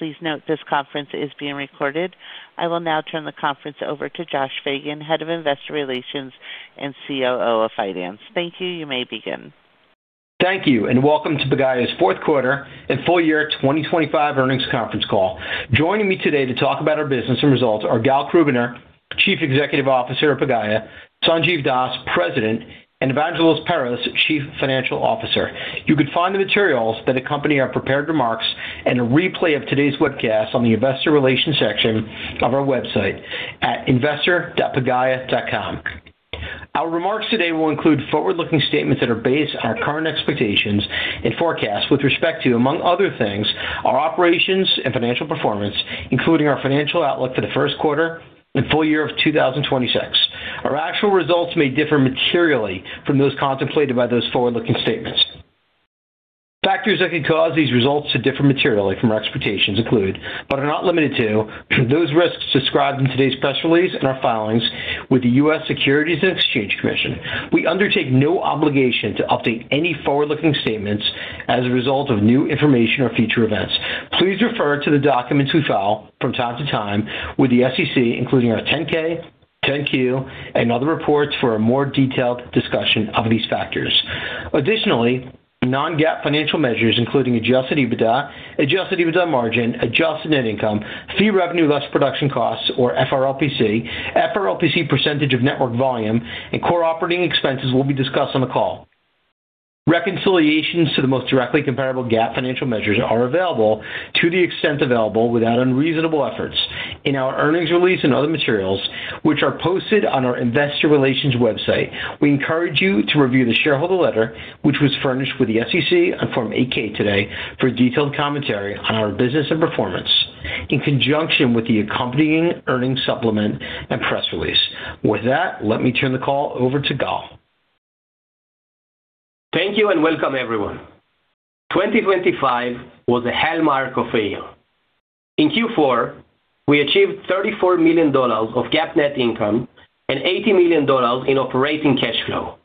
Please note this conference is being recorded. I will now turn the conference over to Josh Fagen, Head of Investor Relations and COO of Finance. Thank you, you may begin. Thank you, and welcome to Pagaya's fourth quarter and full year 2025 earnings conference call. Joining me today to talk about our business and results are Gal Krubiner, Chief Executive Officer of Pagaya; Sanjiv Das, President; and Evangelos Perros, Chief Financial Officer. You can find the materials that accompany our prepared remarks and a replay of today's webcast on the Investor Relations section of our website at investor.pagaya.com. Our remarks today will include forward-looking statements that are based on our current expectations and forecasts with respect to, among other things, our operations and financial performance, including our financial outlook for the first quarter and full year of 2026. Our actual results may differ materially from those contemplated by those forward-looking statements. Factors that could cause these results to differ materially from our expectations include, but are not limited to, those risks described in today's press release and our filings with the U.S. Securities and Exchange Commission. We undertake no obligation to update any forward-looking statements as a result of new information or future events. Please refer to the documents we file from time to time with the SEC, including our 10-K, 10-Q, and other reports for a more detailed discussion of these factors. Additionally, non-GAAP financial measures including Adjusted EBITDA, Adjusted EBITDA margin, adjusted net income, Fee Revenue Less Production Costs or FRLPC, FRLPC percentage of network volume, and core operating expenses will be discussed on the call. Reconciliations to the most directly comparable GAAP financial measures are available to the extent available without unreasonable efforts. In our earnings release and other materials, which are posted on our Investor Relations website, we encourage you to review the shareholder letter, which was furnished with the SEC on Form 8-K today, for detailed commentary on our business and performance in conjunction with the accompanying earnings supplement and press release. With that, let me turn the call over to Gal. Thank you and welcome everyone. 2025 was a hallmark of failure. In Q4, we achieved $34 million of GAAP net income and $80 million in operating cash flow.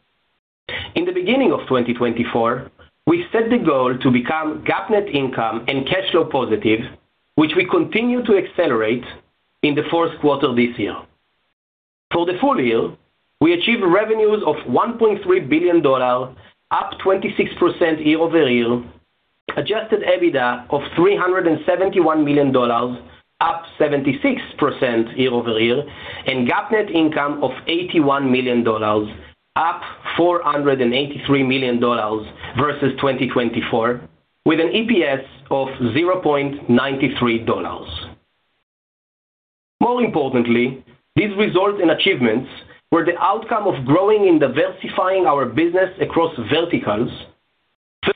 In the beginning of 2024, we set the goal to become GAAP net income and cash flow positive, which we continue to accelerate in the fourth quarter this year. For the full year, we achieved revenues of $1.3 billion, up 26% year-over-year, adjusted EBITDA of $371 million, up 76% year-over-year, and GAAP net income of $81 million, up $483 million versus 2024, with an EPS of $0.93. More importantly, these results and achievements were the outcome of growing and diversifying our business across verticals,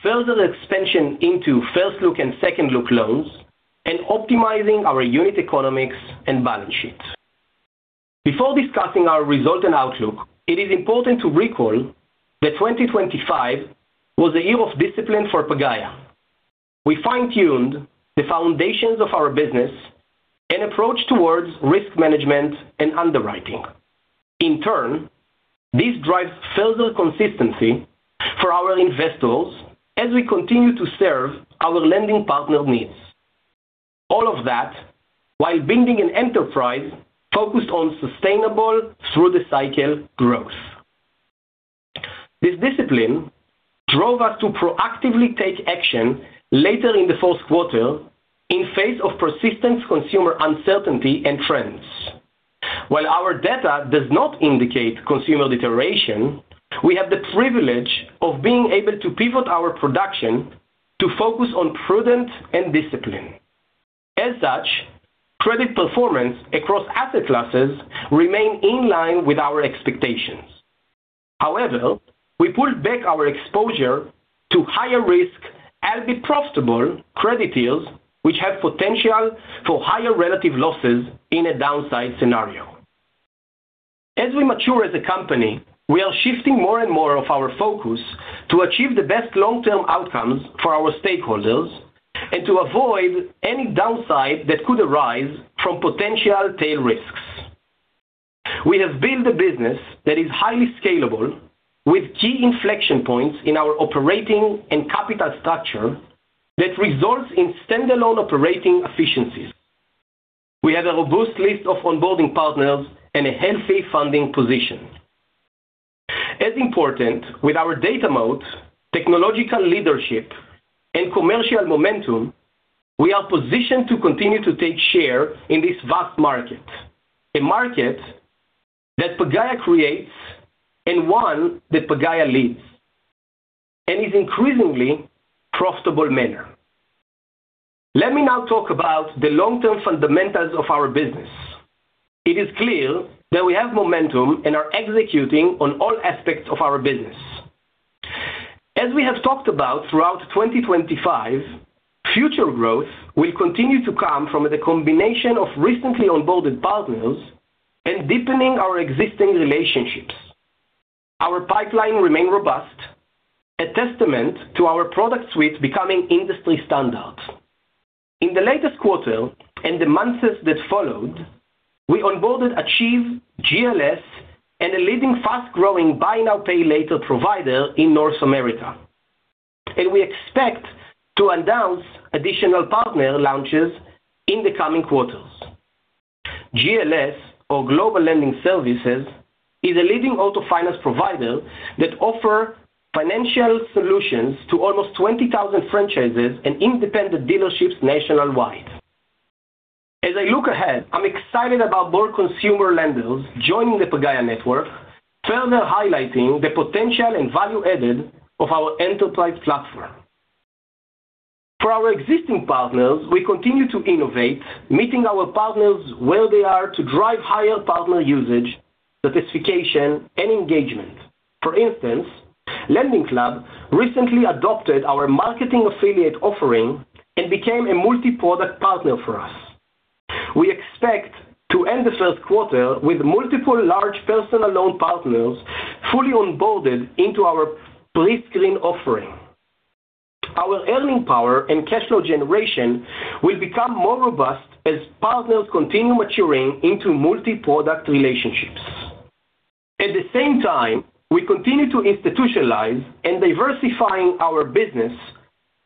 further expansion into first-look and second-look loans, and optimizing our unit economics and balance sheet. Before discussing our result and outlook, it is important to recall that 2025 was a year of discipline for Pagaya. We fine-tuned the foundations of our business and approach towards risk management and underwriting. In turn, this drives further consistency for our investors as we continue to serve our lending partner needs, all of that while building an enterprise focused on sustainable through-the-cycle growth. This discipline drove us to proactively take action later in the fourth quarter in face of persistent consumer uncertainty and trends. While our data does not indicate consumer deterioration, we have the privilege of being able to pivot our production to focus on prudence and discipline. As such, credit performance across asset classes remained in line with our expectations. However, we pulled back our exposure to higher-risk, albeit profitable, credit yields which have potential for higher relative losses in a downside scenario. As we mature as a company, we are shifting more and more of our focus to achieve the best long-term outcomes for our stakeholders and to avoid any downside that could arise from potential tail risks. We have built a business that is highly scalable, with key inflection points in our operating and capital structure that results in standalone operating efficiencies. We have a robust list of onboarding partners and a healthy funding position. As important, with our data moat, technological leadership, and commercial momentum, we are positioned to continue to take share in this vast market, a market that Pagaya creates and one that Pagaya leads in an increasingly profitable manner. Let me now talk about the long-term fundamentals of our business. It is clear that we have momentum and are executing on all aspects of our business. As we have talked about throughout 2025, future growth will continue to come from the combination of recently onboarded partners and deepening our existing relationships. Our pipeline remains robust, a testament to our product suite becoming industry standard. In the latest quarter and the months that followed, we onboarded Achieve, GLS and a leading fast-growing Buy Now, Pay-Later provider in North America, and we expect to announce additional partner launches in the coming quarters. GLS, or Global Lending Services, is a leading auto finance provider that offers financial solutions to almost 20,000 franchises and independent dealerships nationwide. As I look ahead, I'm excited about more consumer lenders joining the Pagaya network, further highlighting the potential and value added of our enterprise platform. For our existing partners, we continue to innovate, meeting our partners where they are to drive higher partner usage, sophistication, and engagement. For instance, LendingClub recently adopted our marketing affiliate offering and became a multi-product partner for us. We expect to end the first quarter with multiple large personal loan partners fully onboarded into our prescreen offering. Our earning power and cash flow generation will become more robust as partners continue maturing into multi-product relationships. At the same time, we continue to institutionalize and diversify our business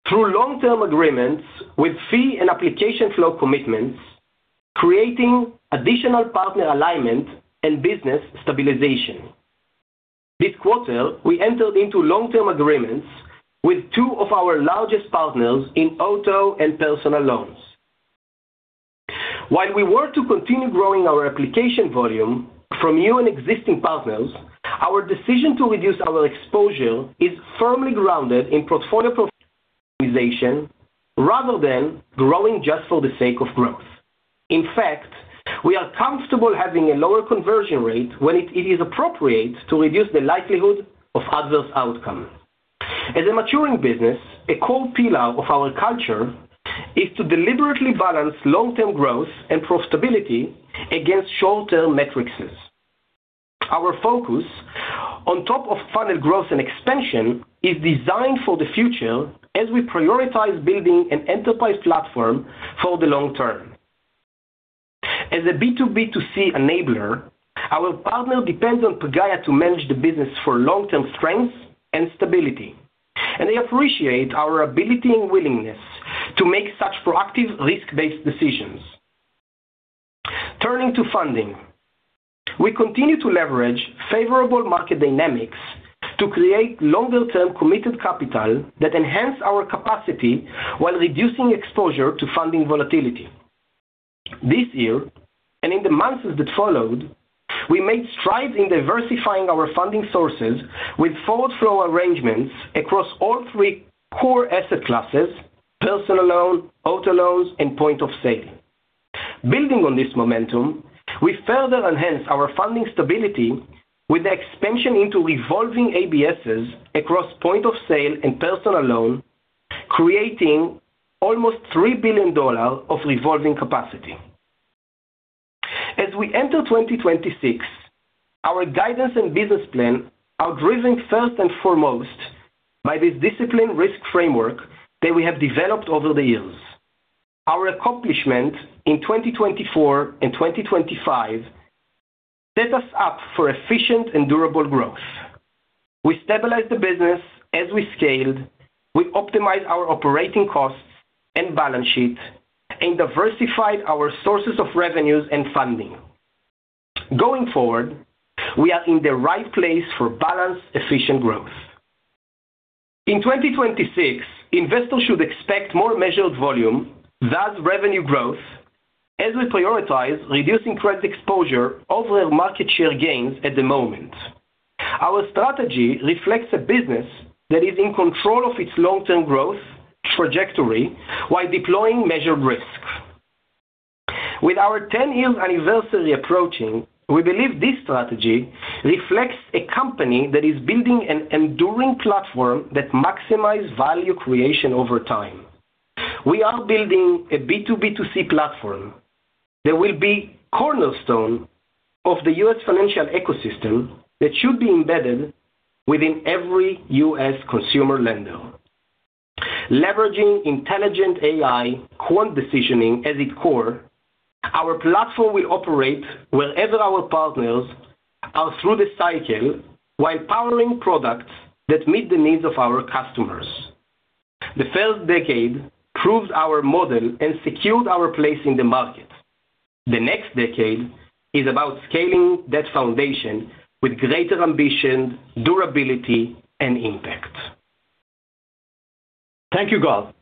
through long-term agreements with fee and application flow commitments, creating additional partner alignment and business stabilization. This quarter, we entered into long-term agreements with two of our largest partners in auto and personal loans. While we work to continue growing our application volume from new and existing partners, our decision to reduce our exposure is firmly grounded in portfolio profit maximization rather than growing just for the sake of growth. In fact, we are comfortable having a lower conversion rate when it is appropriate to reduce the likelihood of adverse outcomes. As a maturing business, a core pillar of our culture is to deliberately balance long-term growth and profitability against shorter metrics. Our focus, on top of funnel growth and expansion, is designed for the future as we prioritize building an enterprise platform for the long term. As a B2B2C enabler, our partner depends on Pagaya to manage the business for long-term strengths and stability, and they appreciate our ability and willingness to make such proactive, risk-based decisions. Turning to funding, we continue to leverage favorable market dynamics to create longer-term committed capital that enhance our capacity while reducing exposure to funding volatility. This year and in the months that followed, we made strides in diversifying our funding sources with forward-flow arrangements across all three core asset classes: personal loan, auto loans, and point-of-sale. Building on this momentum, we further enhance our funding stability with the expansion into revolving ABSs across point-of-sale and personal loan, creating almost $3 billion of revolving capacity. As we enter 2026, our guidance and business plan are driven first and foremost by this disciplined risk framework that we have developed over the years. Our accomplishments in 2024 and 2025 set us up for efficient and durable growth. We stabilized the business as we scaled, we optimized our operating costs and balance sheet, and diversified our sources of revenues and funding. Going forward, we are in the right place for balanced, efficient growth. In 2026, investors should expect more measured volume, thus revenue growth, as we prioritize reducing credit exposure over market share gains at the moment. Our strategy reflects a business that is in control of its long-term growth trajectory while deploying measured risk. With our 10-year anniversary approaching, we believe this strategy reflects a company that is building an enduring platform that maximizes value creation over time. We are building a B2B2C platform that will be a cornerstone of the U.S. financial ecosystem that should be embedded within every U.S. consumer lender. Leveraging intelligent AI, quant decisioning as its core, our platform will operate wherever our partners are through the cycle while powering products that meet the needs of our customers. The first decade proved our model and secured our place in the market. The next decade is about scaling that foundation with greater ambition, durability, and impact. Thank you, Gal.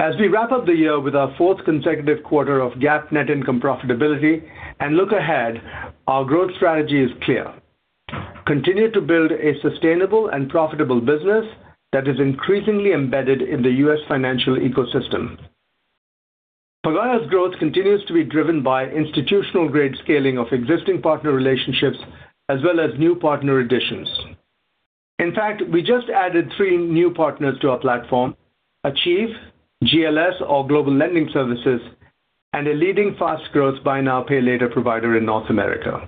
As we wrap up the year with our fourth consecutive quarter of GAAP net income profitability and look ahead, our growth strategy is clear: continue to build a sustainable and profitable business that is increasingly embedded in the U.S. financial ecosystem. Pagaya's growth continues to be driven by institutional-grade scaling of existing partner relationships as well as new partner additions. In fact, we just added three new partners to our platform: Achieve, GLS, or Global Lending Services, and a leading fast-growth Buy Now, Pay Later provider in North America.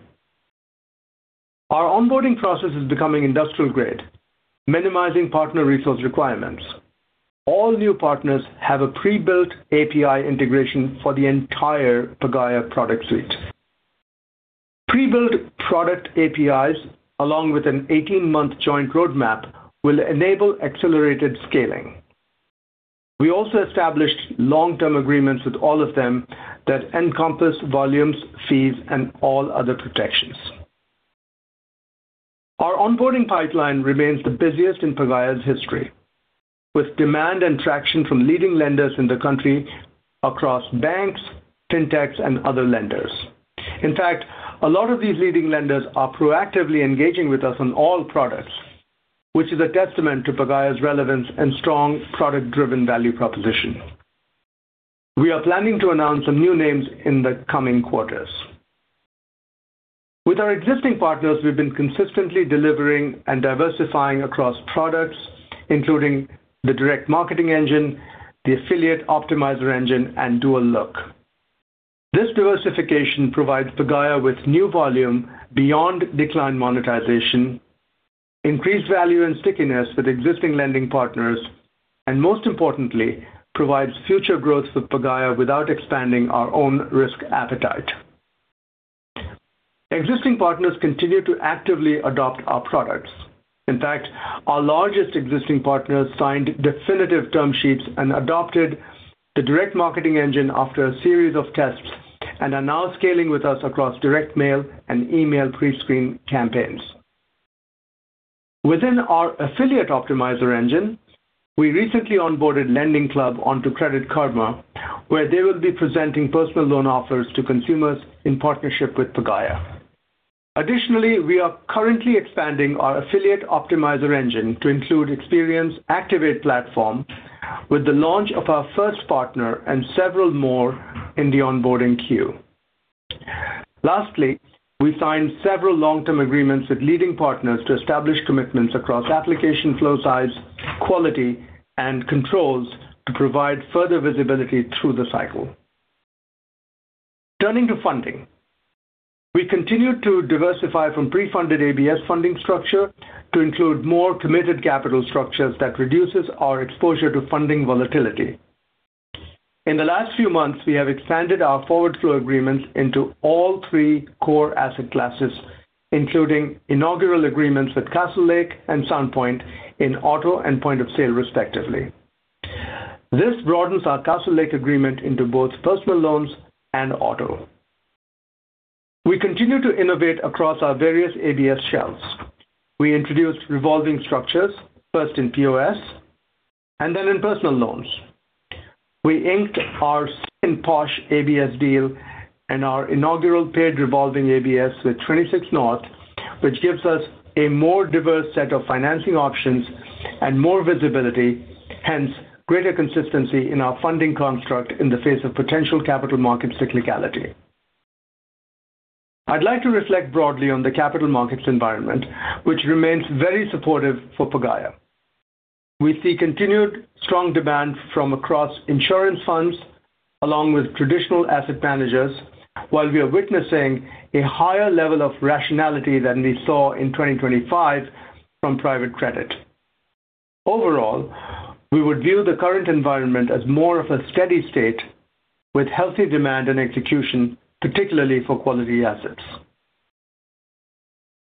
Our onboarding process is becoming industrial-grade, minimizing partner resource requirements. All new partners have a pre-built API integration for the entire Pagaya product suite. Pre-built product APIs, along with an 18-month joint roadmap, will enable accelerated scaling. We also established long-term agreements with all of them that encompass volumes, fees, and all other protections. Our onboarding pipeline remains the busiest in Pagaya's history, with demand and traction from leading lenders in the country across banks, fintechs, and other lenders. In fact, a lot of these leading lenders are proactively engaging with us on all products, which is a testament to Pagaya's relevance and strong product-driven value proposition. We are planning to announce some new names in the coming quarters. With our existing partners, we've been consistently delivering and diversifying across products, including the direct marketing engine, the affiliate optimizer engine, and dual-look. This diversification provides Pagaya with new volume beyond declined monetization, increased value and stickiness with existing lending partners, and most importantly, provides future growth for Pagaya without expanding our own risk appetite. Existing partners continue to actively adopt our products. In fact, our largest existing partners signed definitive term sheets and adopted the Direct Marketing Engine after a series of tests and are now scaling with us across direct mail and email pre-screen campaigns. Within our Affiliate Optimizer Engine, we recently onboarded LendingClub onto Credit Karma, where they will be presenting personal loan offers to consumers in partnership with Pagaya. Additionally, we are currently expanding our Affiliate Optimizer Engine to include Experian Activate platform with the launch of our first partner and several more in the onboarding queue. Lastly, we signed several long-term agreements with leading partners to establish commitments across application flow sides, quality, and controls to provide further visibility through the cycle. Turning to funding, we continue to diversify from pre-funded ABS funding structure to include more committed capital structures that reduce our exposure to funding volatility. In the last few months, we have expanded our forward-flow agreements into all three core asset classes, including inaugural agreements with Castlelake and Sound Point in auto and point-of-sale, respectively. This broadens our Castlelake agreement into both personal loans and auto. We continue to innovate across our various ABS shelves. We introduced revolving structures, first in POS and then in personal loans. We inked our second POS ABS deal and our inaugural PAID revolving ABS with 26North, which gives us a more diverse set of financing options and more visibility, hence greater consistency in our funding construct in the face of potential capital market cyclicality. I'd like to reflect broadly on the capital markets environment, which remains very supportive for Pagaya. We see continued strong demand from across insurance funds along with traditional asset managers, while we are witnessing a higher level of rationality than we saw in 2025 from private credit. Overall, we would view the current environment as more of a steady state with healthy demand and execution, particularly for quality assets.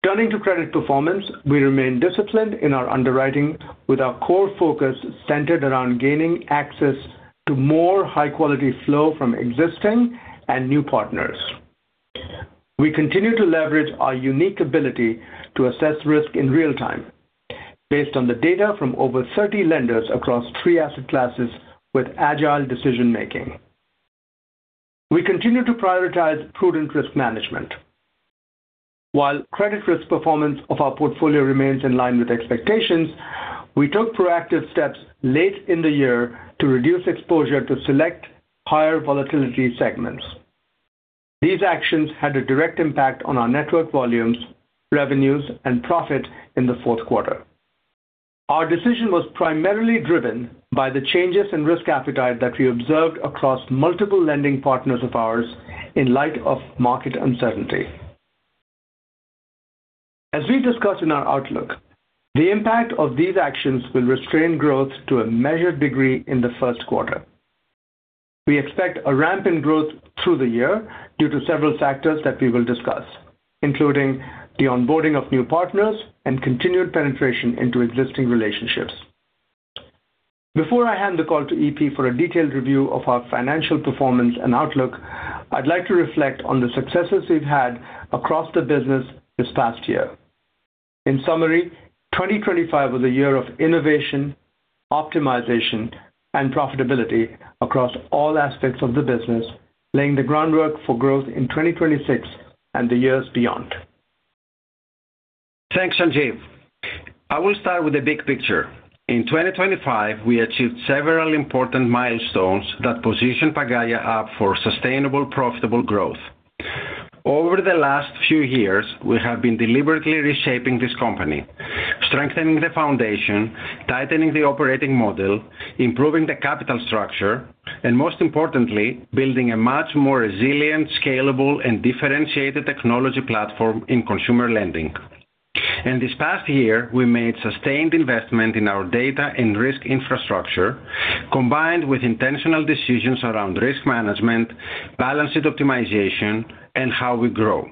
Turning to credit performance, we remain disciplined in our underwriting with our core focus centered around gaining access to more high-quality flow from existing and new partners. We continue to leverage our unique ability to assess risk in real time based on the data from over 30 lenders across three asset classes with agile decision-making. We continue to prioritize prudent risk management. While credit risk performance of our portfolio remains in line with expectations, we took proactive steps late in the year to reduce exposure to select higher volatility segments. These actions had a direct impact on our network volumes, revenues, and profit in the fourth quarter. Our decision was primarily driven by the changes in risk appetite that we observed across multiple lending partners of ours in light of market uncertainty. As we discussed in our outlook, the impact of these actions will restrain growth to a measured degree in the first quarter. We expect a ramp in growth through the year due to several factors that we will discuss, including the onboarding of new partners and continued penetration into existing relationships. Before I hand the call to EP for a detailed review of our financial performance and outlook, I'd like to reflect on the successes we've had across the business this past year. In summary, 2025 was a year of innovation, optimization, and profitability across all aspects of the business, laying the groundwork for growth in 2026 and the years beyond. Thanks, Sanjiv. I will start with a big picture. In 2025, we achieved several important milestones that positioned Pagaya up for sustainable, profitable growth. Over the last few years, we have been deliberately reshaping this company, strengthening the foundation, tightening the operating model, improving the capital structure, and most importantly, building a much more resilient, scalable, and differentiated technology platform in consumer lending. This past year, we made sustained investment in our data and risk infrastructure, combined with intentional decisions around risk management, balanced optimization, and how we grow.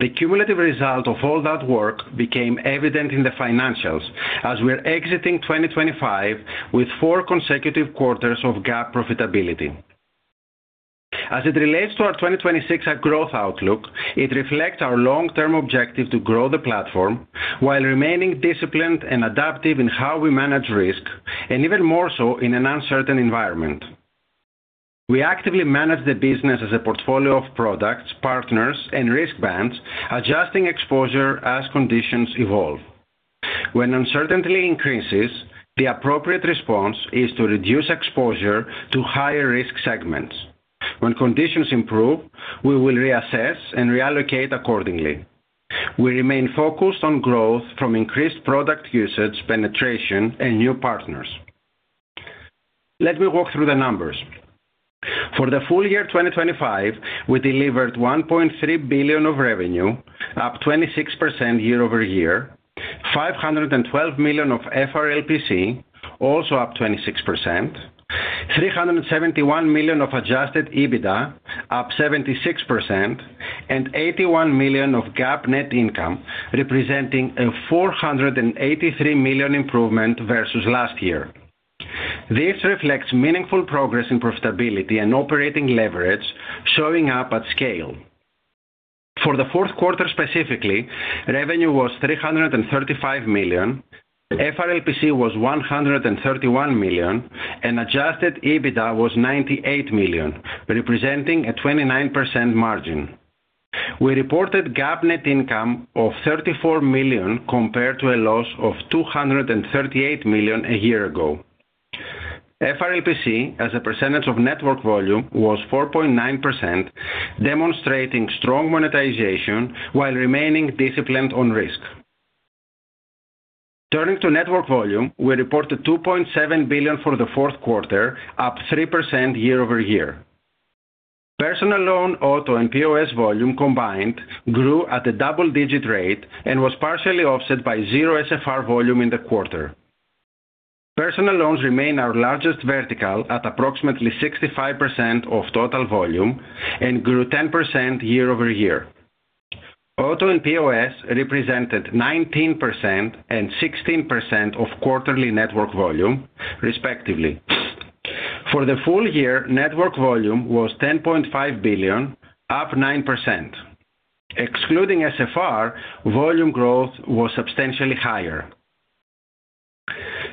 The cumulative result of all that work became evident in the financials as we are exiting 2025 with four consecutive quarters of GAAP profitability. As it relates to our 2026 growth outlook, it reflects our long-term objective to grow the platform while remaining disciplined and adaptive in how we manage risk, and even more so in an uncertain environment. We actively manage the business as a portfolio of products, partners, and risk bands, adjusting exposure as conditions evolve. When uncertainty increases, the appropriate response is to reduce exposure to higher risk segments. When conditions improve, we will reassess and reallocate accordingly. We remain focused on growth from increased product usage, penetration, and new partners. Let me walk through the numbers. For the full year 2025, we delivered $1.3 billion of revenue, up 26% year-over-year, $512 million of FRLPC, also up 26%, $371 million of adjusted EBITDA, up 76%, and $81 million of GAAP net income, representing a $483 million improvement versus last year. This reflects meaningful progress in profitability and operating leverage showing up at scale. For the fourth quarter specifically, revenue was $335 million, FRLPC was $131 million, and Adjusted EBITDA was $98 million, representing a 29% margin. We reported GAAP net income of $34 million compared to a loss of $238 million a year ago. FRLPC, as a percentage of network volume, was 4.9%, demonstrating strong monetization while remaining disciplined on risk. Turning to network volume, we reported $2.7 billion for the fourth quarter, up 3% year-over-year. Personal loan, auto, and POS volume combined grew at a double-digit rate and was partially offset by zero SFR volume in the quarter. Personal loans remain our largest vertical at approximately 65% of total volume and grew 10% year-over-year. Auto and POS represented 19% and 16% of quarterly network volume, respectively. For the full year, network volume was $10.5 billion, up 9%. Excluding SFR, volume growth was substantially higher.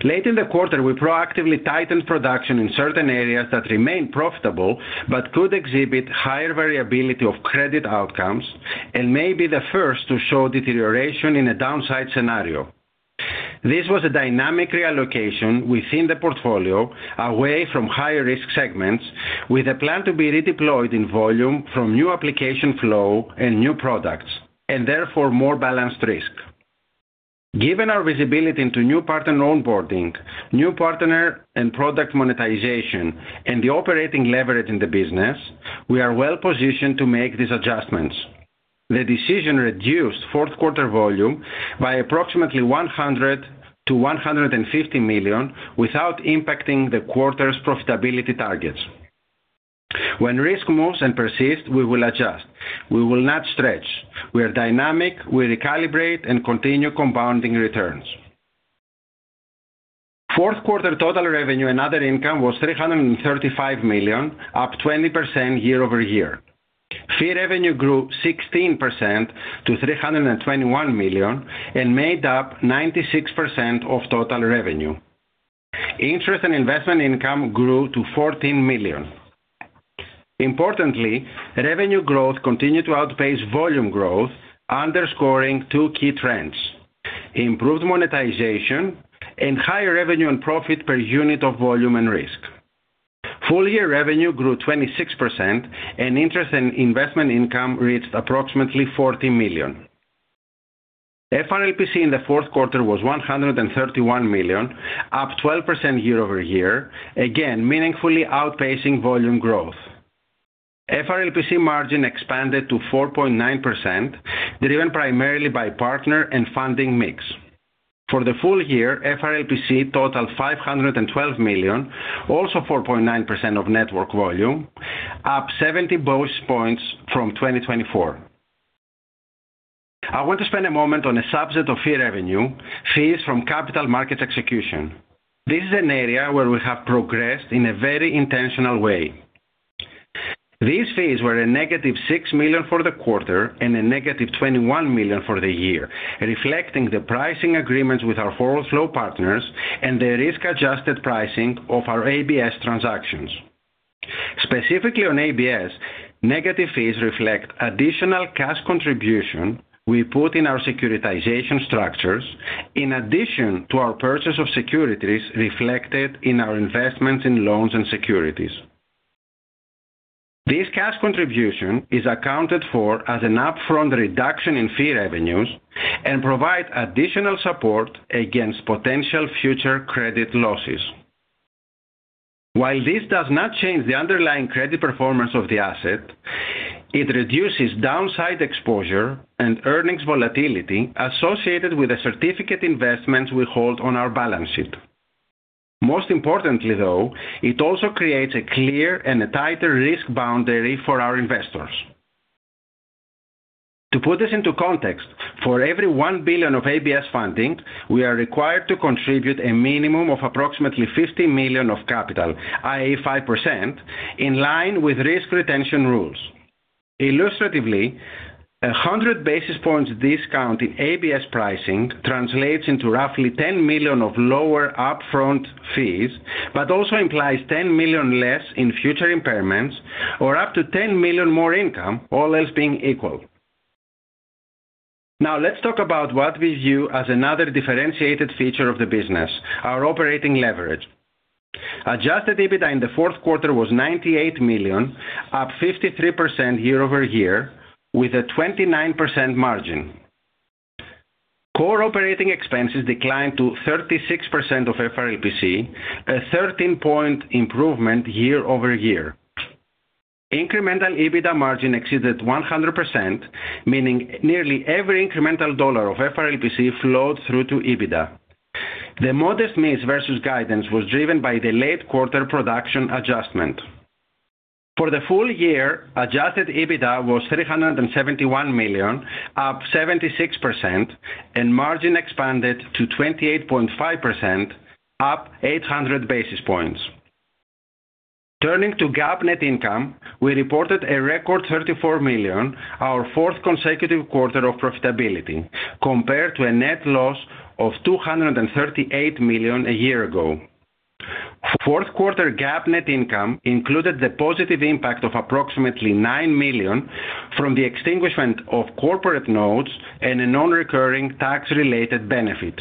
Late in the quarter, we proactively tightened production in certain areas that remained profitable but could exhibit higher variability of credit outcomes and may be the first to show deterioration in a downside scenario. This was a dynamic reallocation within the portfolio, away from higher risk segments, with a plan to be redeployed in volume from new application flow and new products, and therefore more balanced risk. Given our visibility into new partner onboarding, new partner and product monetization, and the operating leverage in the business, we are well positioned to make these adjustments. The decision reduced fourth quarter volume by approximately $100 million-$150 million without impacting the quarter's profitability targets. When risk moves and persists, we will adjust. We will not stretch. We are dynamic. We recalibrate and continue compounding returns. Fourth quarter total revenue and other income was $335 million, up 20% year-over-year. Fee revenue grew 16% to $321 million and made up 96% of total revenue. Interest and investment income grew to $14 million. Importantly, revenue growth continued to outpace volume growth, underscoring two key trends: improved monetization and higher revenue and profit per unit of volume and risk. Full-year revenue grew 26% and interest and investment income reached approximately $40 million. FRLPC in the fourth quarter was $131 million, up 12% year-over-year, again meaningfully outpacing volume growth. FRLPC margin expanded to 4.9%, driven primarily by partner and funding mix. For the full year, FRLPC totaled $512 million, also 4.9% of network volume, up 70 basis points from 2024. I want to spend a moment on a subset of fee revenue: fees from capital markets execution. This is an area where we have progressed in a very intentional way. These fees were a negative $6 million for the quarter and a negative $21 million for the year, reflecting the pricing agreements with our forward-flow partners and the risk-adjusted pricing of our ABS transactions. Specifically on ABS, negative fees reflect additional cash contribution we put in our securitization structures, in addition to our purchase of securities reflected in our investments in loans and securities. This cash contribution is accounted for as an upfront reduction in fee revenues and provides additional support against potential future credit losses. While this does not change the underlying credit performance of the asset, it reduces downside exposure and earnings volatility associated with the certificate investments we hold on our balance sheet. Most importantly, though, it also creates a clear and a tighter risk boundary for our investors. To put this into context, for every $1 billion of ABS funding, we are required to contribute a minimum of approximately $50 million of capital, i.e., 5%, in line with risk retention rules. Illustratively, a 100 basis points discount in ABS pricing translates into roughly $10 million of lower upfront fees, but also implies $10 million less in future impairments or up to $10 million more income, all else being equal. Now let's talk about what we view as another differentiated feature of the business: our operating leverage. Adjusted EBITDA in the fourth quarter was $98 million, up 53% year-over-year, with a 29% margin. Core operating expenses declined to 36% of FRLPC, a 13-point improvement year-over-year. Incremental EBITDA margin exceeded 100%, meaning nearly every incremental dollar of FRLPC flowed through to EBITDA. The modest miss versus guidance was driven by the late quarter production adjustment. For the full year, Adjusted EBITDA was $371 million, up 76%, and margin expanded to 28.5%, up 800 basis points. Turning to GAAP net income, we reported a record $34 million, our fourth consecutive quarter of profitability, compared to a net loss of $238 million a year ago. Fourth quarter GAAP net income included the positive impact of approximately $9 million from the extinguishment of corporate notes and a non-recurring tax-related benefit.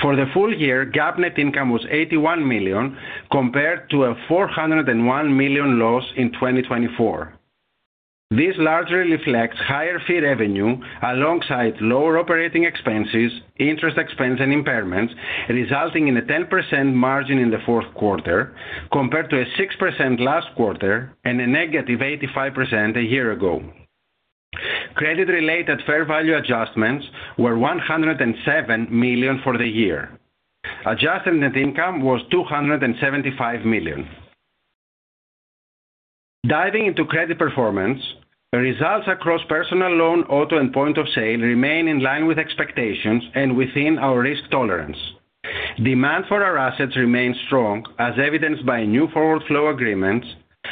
For the full year, GAAP net income was $81 million, compared to a $401 million loss in 2024. This largely reflects higher fee revenue alongside lower operating expenses, interest expense, and impairments, resulting in a 10% margin in the fourth quarter, compared to a 6% last quarter and a negative 85% a year ago. Credit-related fair value adjustments were $107 million for the year. Adjusted net income was $275 million. Diving into credit performance, results across personal loan, auto, and point of sale remain in line with expectations and within our risk tolerance. Demand for our assets remains strong, as evidenced by new forward-flow agreements,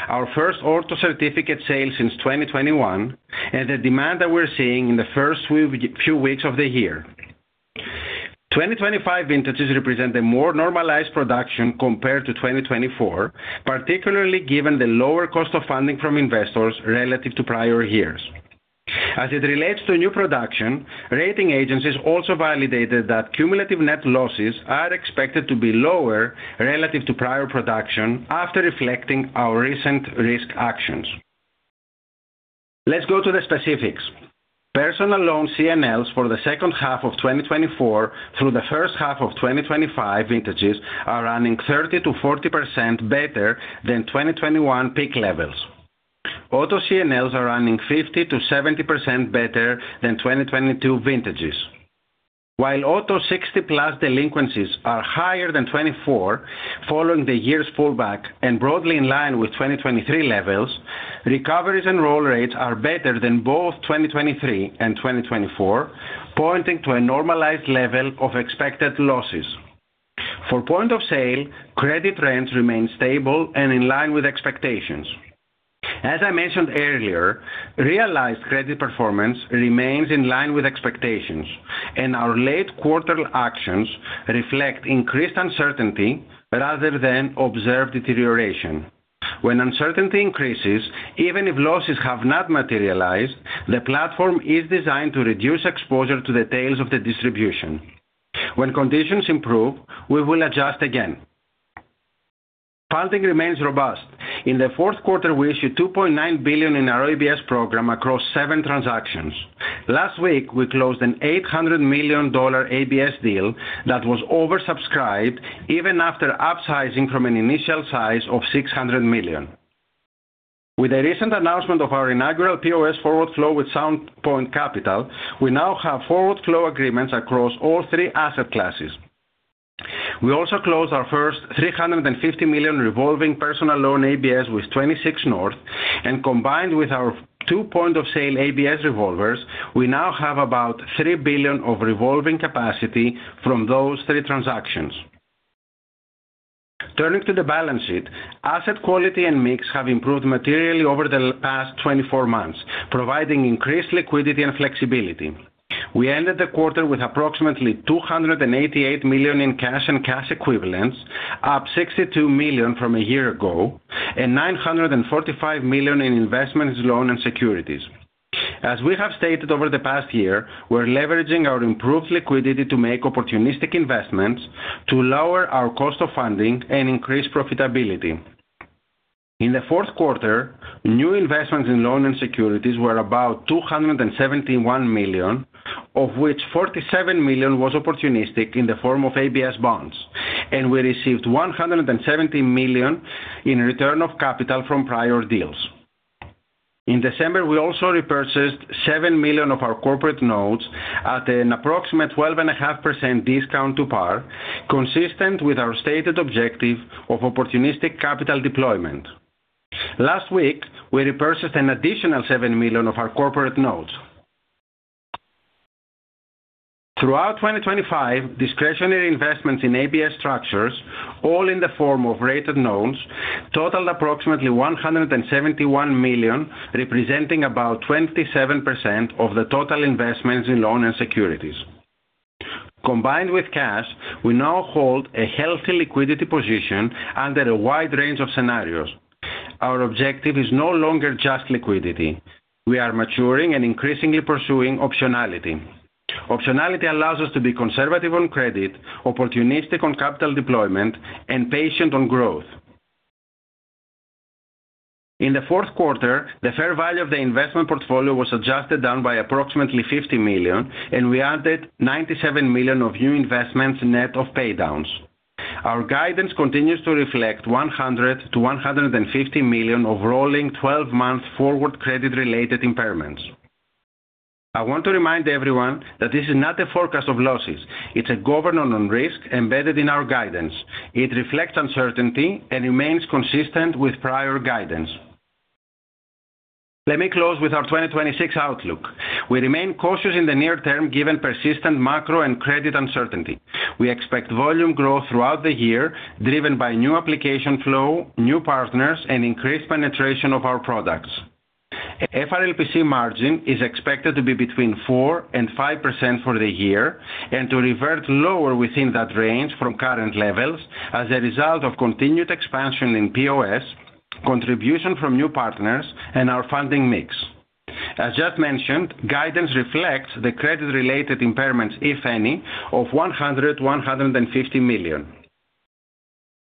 our first auto certificate sale since 2021, and the demand that we're seeing in the first few weeks of the year. 2025 vintages represent a more normalized production compared to 2024, particularly given the lower cost of funding from investors relative to prior years. As it relates to new production, rating agencies also validated that cumulative net losses are expected to be lower relative to prior production after reflecting our recent risk actions. Let's go to the specifics. Personal loan CNLs for the second half of 2024 through the first half of 2025 vintages are running 30%-40% better than 2021 peak levels. Auto CNLs are running 50%-70% better than 2022 vintages. While auto 60-plus delinquencies are higher than 2024 following the year's pullback and broadly in line with 2023 levels, recoveries and roll rates are better than both 2023 and 2024, pointing to a normalized level of expected losses. For point-of-sale, credit trends remain stable and in line with expectations. As I mentioned earlier, realized credit performance remains in line with expectations, and our late-quarter actions reflect increased uncertainty rather than observed deterioration. When uncertainty increases, even if losses have not materialized, the platform is designed to reduce exposure to the tails of the distribution. When conditions improve, we will adjust again. Funding remains robust. In the fourth quarter, we issued $2.9 billion in our ABS program across seven transactions. Last week, we closed an $800 million ABS deal that was oversubscribed even after upsizing from an initial size of $600 million. With the recent announcement of our inaugural POS forward flow with Sound Point Capital, we now have forward flow agreements across all three asset classes. We also closed our first $350 million revolving personal loan ABS with 26North, and combined with our two point of sale ABS revolvers, we now have about $3 billion of revolving capacity from those three transactions. Turning to the balance sheet, asset quality and mix have improved materially over the past 24 months, providing increased liquidity and flexibility. We ended the quarter with approximately $288 million in cash and cash equivalents, up $62 million from a year ago, and $945 million in investments, loan, and securities. As we have stated over the past year, we're leveraging our improved liquidity to make opportunistic investments, to lower our cost of funding, and increase profitability. In the fourth quarter, new investments in loan and securities were about $271 million, of which $47 million was opportunistic in the form of ABS bonds, and we received $170 million in return of capital from prior deals. In December, we also repurchased $7 million of our corporate notes at an approximate 12.5% discount to par, consistent with our stated objective of opportunistic capital deployment. Last week, we repurchased an additional $7 million of our corporate notes. Throughout 2025, discretionary investments in ABS structures, all in the form of rated loans, totaled approximately $171 million, representing about 27% of the total investments in loan and securities. Combined with cash, we now hold a healthy liquidity position under a wide range of scenarios. Our objective is no longer just liquidity. We are maturing and increasingly pursuing optionality. Optionality allows us to be conservative on credit, opportunistic on capital deployment, and patient on growth. In the fourth quarter, the fair value of the investment portfolio was adjusted down by approximately $50 million, and we added $97 million of new investments net of paydowns. Our guidance continues to reflect $100 million-$150 million of rolling 12-month forward credit-related impairments. I want to remind everyone that this is not a forecast of losses. It's a governance on risk embedded in our guidance. It reflects uncertainty and remains consistent with prior guidance. Let me close with our 2026 outlook. We remain cautious in the near term given persistent macro and credit uncertainty. We expect volume growth throughout the year, driven by new application flow, new partners, and increased penetration of our products. FRLPC margin is expected to be between 4%-5% for the year and to revert lower within that range from current levels as a result of continued expansion in POS, contribution from new partners, and our funding mix. As just mentioned, guidance reflects the credit-related impairments, if any, of $100 million-$150 million.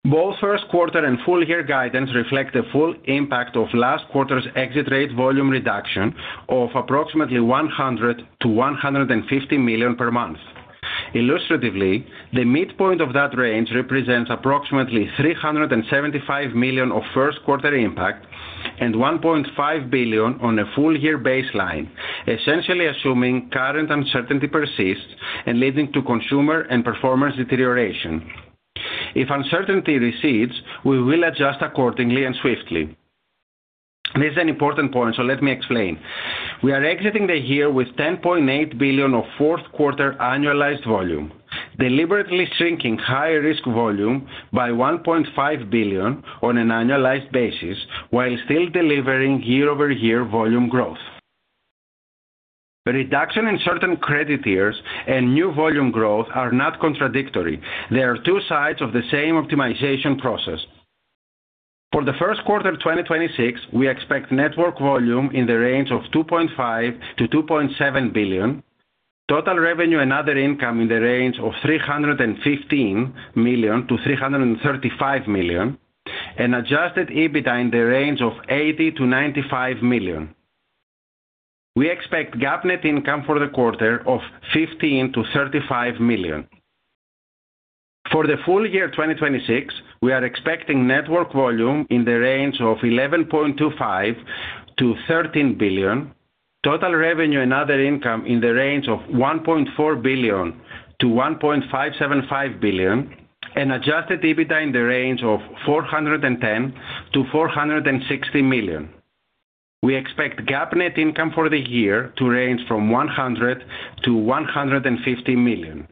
Both first quarter and full year guidance reflect the full impact of last quarter's exit rate volume reduction of approximately $100 million-$150 million per month. Illustratively, the midpoint of that range represents approximately $375 million of first quarter impact and $1.5 billion on a full year baseline, essentially assuming current uncertainty persists and leading to consumer and performance deterioration. If uncertainty recedes, we will adjust accordingly and swiftly. This is an important point, so let me explain. We are exiting the year with $10.8 billion of fourth quarter annualized volume, deliberately shrinking high-risk volume by $1.5 billion on an annualized basis while still delivering year-over-year volume growth. Reduction in certain credit years and new volume growth are not contradictory. They are two sides of the same optimization process. For the first quarter 2026, we expect network volume in the range of $2.5 billion-$2.7 billion, total revenue and other income in the range of $315 million-$335 million, and Adjusted EBITDA in the range of $80 million-$95 million. We expect GAAP net income for the quarter of $15 million-$35 million. For the full year 2026, we expect network volume in the range of $11.25 billion-$13 billion, total revenue and other income in the range of $1.4 billion-$1.575 billion, and Adjusted EBITDA in the range of $410 million-$460 million. We expect GAAP net income for the year to range from $100 million $150 million.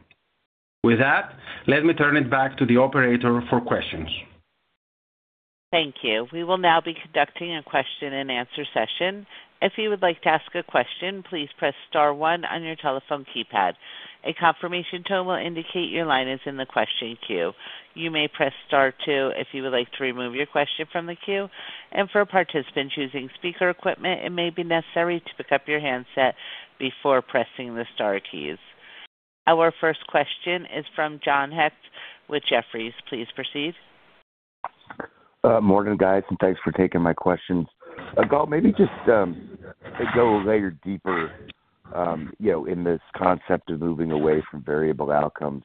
With that, let me turn it back to the operator for questions. Thank you. We will now be conducting a question-and-answer session. If you would like to ask a question, please press star one on your telephone keypad. A confirmation tone will indicate your line is in the question queue. You may press star two if you would like to remove your question from the queue. For participants using speaker equipment, it may be necessary to pick up your handset before pressing the star keys. Our first question is from John Hecht with Jefferies. Please proceed. Morning, guys, and thanks for taking my questions. Gal, maybe just go a layer deeper in this concept of moving away from variable outcomes.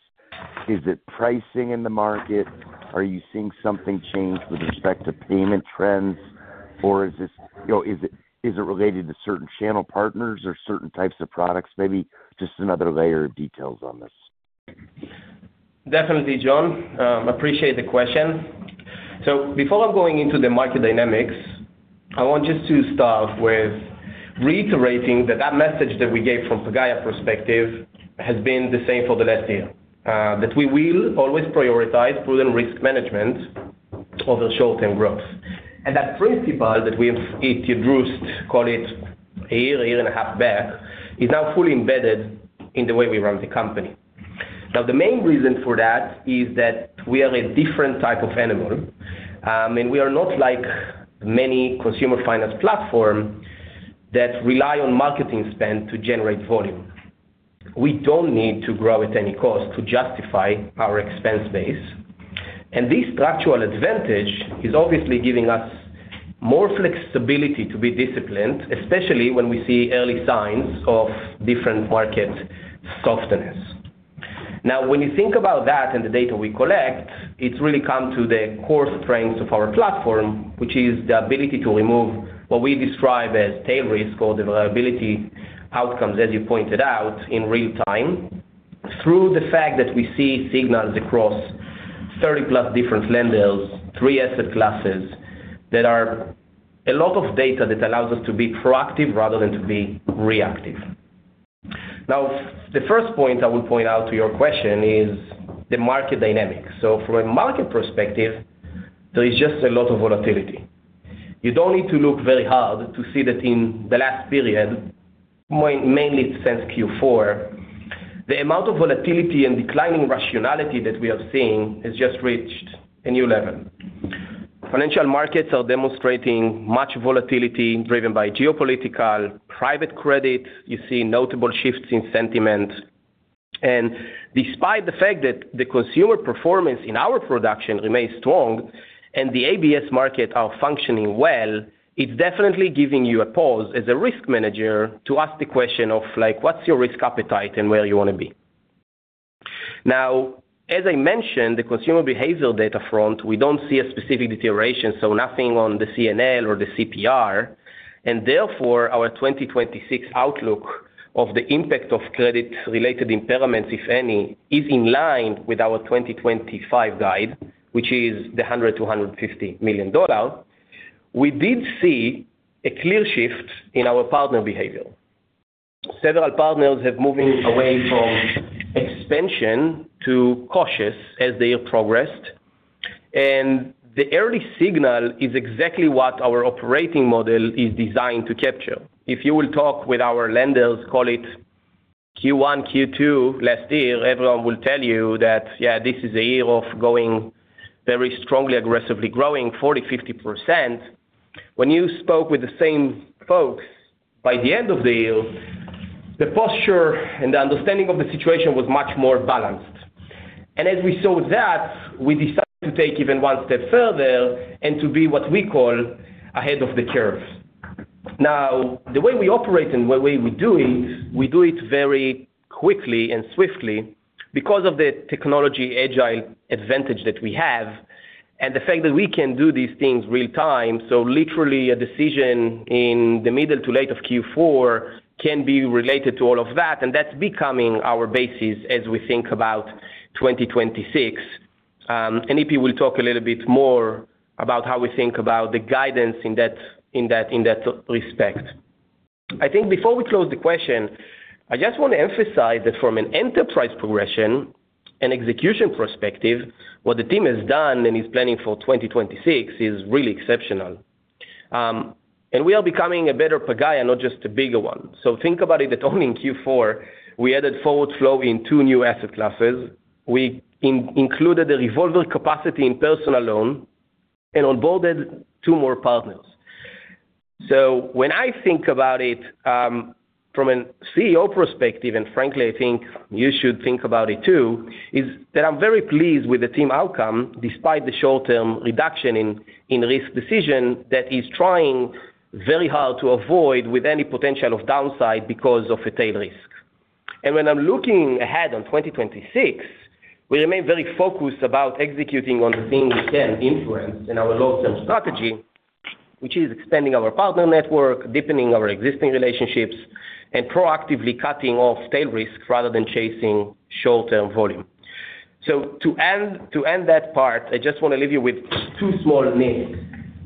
Is it pricing in the market? Are you seeing something change with respect to payment trends, or is it related to certain channel partners or certain types of products? Maybe just another layer of details on this. Definitely, John. Appreciate the question. So before I'm going into the market dynamics, I want just to start with reiterating that that message that we gave from Pagaya perspective has been the same for the last year, that we will always prioritize prudent risk management over short-term growth, and that principle that we introduced, call it a year, a year and a half back, is now fully embedded in the way we run the company. Now, the main reason for that is that we are a different type of animal, and we are not like many consumer finance platforms that rely on marketing spend to generate volume. We don't need to grow at any cost to justify our expense base. This structural advantage is obviously giving us more flexibility to be disciplined, especially when we see early signs of different market softness. Now, when you think about that and the data we collect, it's really come to the core strengths of our platform, which is the ability to remove what we describe as tail risk or the variability outcomes, as you pointed out, in real time through the fact that we see signals across 30+ different lenders, three asset classes, that are a lot of data that allows us to be proactive rather than to be reactive. Now, the first point I will point out to your question is the market dynamics. From a market perspective, there is just a lot of volatility. You don't need to look very hard to see that in the last period, mainly since Q4, the amount of volatility and declining rationality that we are seeing has just reached a new level. Financial markets are demonstrating much volatility driven by geopolitical private credit. You see notable shifts in sentiment. And despite the fact that the consumer performance in our production remains strong and the ABS markets are functioning well, it's definitely giving you a pause as a risk manager to ask the question of, "What's your risk appetite and where you want to be?" Now, as I mentioned, the consumer behavior data front, we don't see a specific deterioration, so nothing on the CNL or the CPR. And therefore, our 2026 outlook of the impact of credit-related impairments, if any, is in line with our 2025 guide, which is the $100 million-$150 million. We did see a clear shift in our partner behavior. Several partners have moved away from expansion to cautious as the year progressed. The early signal is exactly what our operating model is designed to capture. If you will talk with our lenders, call it Q1, Q2 last year, everyone will tell you that, "Yeah, this is a year of going very strongly, aggressively growing, 40%-50%." When you spoke with the same folks by the end of the year, the posture and the understanding of the situation was much more balanced. As we saw that, we decided to take even one step further and to be what we call ahead of the curve. Now, the way we operate and the way we do it, we do it very quickly and swiftly because of the technology agile advantage that we have and the fact that we can do these things real time. So literally, a decision in the middle to late of Q4 can be related to all of that. And that's becoming our basis as we think about 2026. And EP will talk a little bit more about how we think about the guidance in that respect. I think before we close the question, I just want to emphasize that from an enterprise progression and execution perspective, what the team has done and is planning for 2026 is really exceptional. And we are becoming a better Pagaya, not just a bigger one. So think about it that only in Q4, we added forward flow in two new asset classes. We included a revolver capacity in personal loan and onboarded two more partners. So when I think about it from a CEO perspective, and frankly, I think you should think about it too, is that I'm very pleased with the team outcome despite the short-term reduction in risk decision that is trying very hard to avoid with any potential of downside because of a tail risk. And when I'm looking ahead on 2026, we remain very focused about executing on the thing we can influence in our long-term strategy, which is expanding our partner network, deepening our existing relationships, and proactively cutting off tail risk rather than chasing short-term volume. So to end that part, I just want to leave you with two small nits.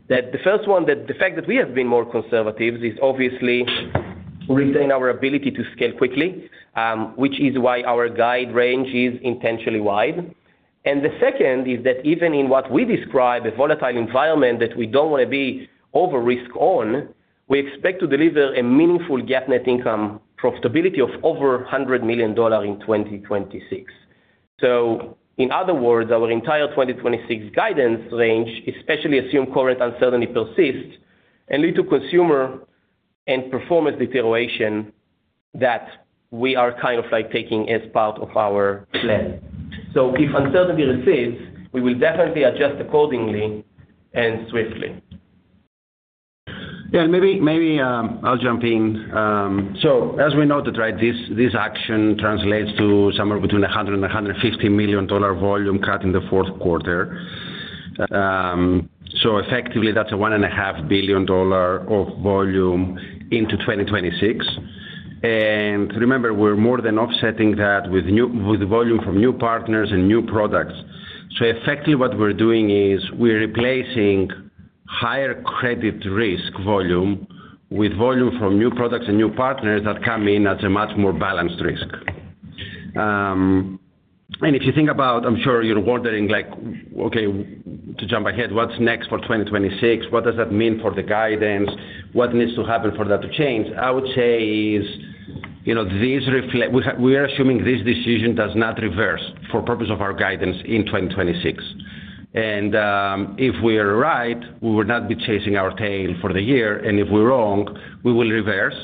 The first one, the fact that we have been more conservative has obviously retained our ability to scale quickly, which is why our guidance range is intentionally wide. The second is that even in what we describe as a volatile environment that we don't want to be over-risk on, we expect to deliver a meaningful GAAP net income profitability of over $100 million in 2026. So in other words, our entire 2026 guidance range especially assumes current uncertainty persists, and leads to consumer and performance deterioration that we are kind of taking as part of our plan. So if uncertainty recedes, we will definitely adjust accordingly and swiftly. Yeah. And maybe I'll jump in. So as we noted, this action translates to somewhere between $100 million-$150 million volume cut in the fourth quarter. So effectively, that's a $1.5 billion of volume into 2026. And remember, we're more than offsetting that with volume from new partners and new products. So effectively, what we're doing is we're replacing higher credit risk volume with volume from new products and new partners that come in as a much more balanced risk. And if you think about, I'm sure you're wondering, "Okay, to jump ahead, what's next for 2026? What does that mean for the guidance? What needs to happen for that to change?" I would say is we are assuming this decision does not reverse for purpose of our guidance in 2026. And if we are right, we will not be chasing our tail for the year. And if we're wrong, we will reverse.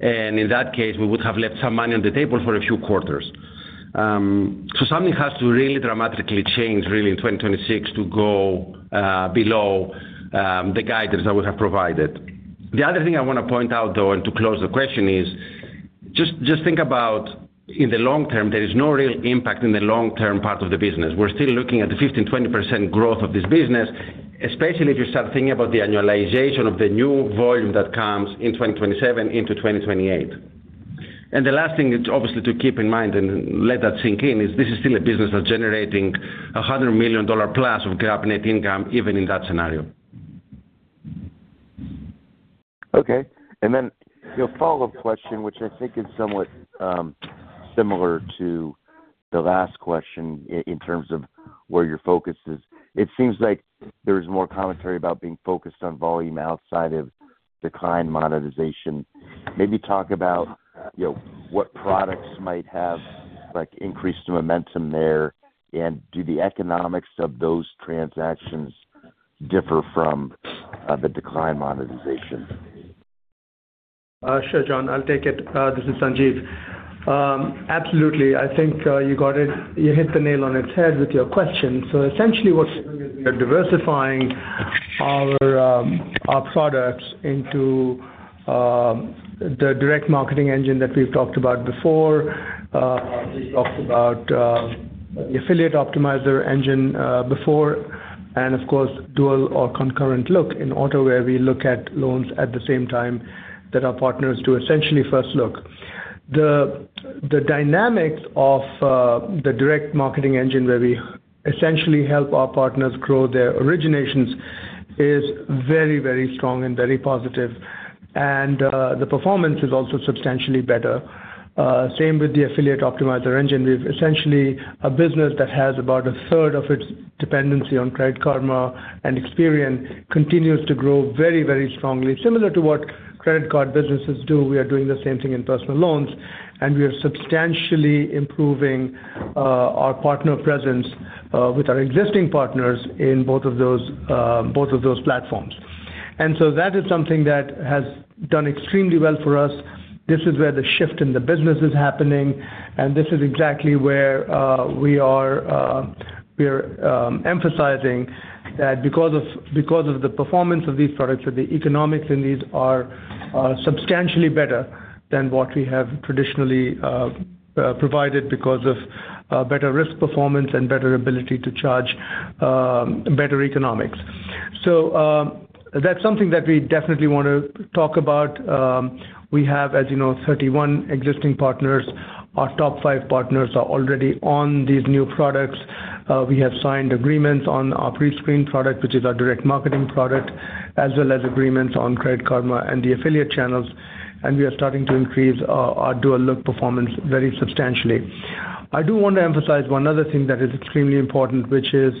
And in that case, we would have left some money on the table for a few quarters. So something has to really dramatically change, really, in 2026 to go below the guidance that we have provided. The other thing I want to point out, though, and to close the question is just think about in the long term, there is no real impact in the long-term part of the business. We're still looking at the 15%-20% growth of this business, especially if you start thinking about the annualization of the new volume that comes in 2027 into 2028. And the last thing, obviously, to keep in mind and let that sink in is this is still a business that's generating $100 million plus of GAAP net income even in that scenario. Okay. Then your follow-up question, which I think is somewhat similar to the last question in terms of where your focus is. It seems like there is more commentary about being focused on volume outside of decline monetization. Maybe talk about what products might have increased momentum there, and do the economics of those transactions differ from the decline monetization? Sure, John. I'll take it. This is Sanjiv. Absolutely. I think you hit the nail on its head with your question. So essentially, what we're doing is we are diversifying our products into the Direct Marketing Engine that we've talked about before. We've talked about the Affiliate Optimizer Engine before, and of course, dual or concurrent look in auto where we look at loans at the same time that our partners do essentially first look. The dynamics of the Direct Marketing Engine where we essentially help our partners grow their originations is very, very strong and very positive. The performance is also substantially better. Same with the Affiliate Optimizer Engine. We've essentially a business that has about a third of its dependency on Credit Karma and Experian continues to grow very, very strongly. Similar to what credit card businesses do, we are doing the same thing in personal loans. We are substantially improving our partner presence with our existing partners in both of those platforms. So that is something that has done extremely well for us. This is where the shift in the business is happening. This is exactly where we are emphasizing that because of the performance of these products and the economics in these are substantially better than what we have traditionally provided because of better risk performance and better ability to charge better economics. So that's something that we definitely want to talk about. We have, as you know, 31 existing partners. Our top five partners are already on these new products. We have signed agreements on our pre-screen product, which is our direct marketing product, as well as agreements on Credit Karma and the affiliate channels. And we are starting to increase our Dual Look performance very substantially. I do want to emphasize one other thing that is extremely important, which is